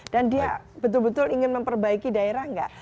dan dia betul betul ingin memperbaiki daerah nggak